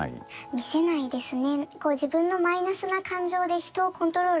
見せないですね。